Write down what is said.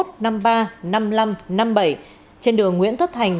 trên đường nguyễn thất thành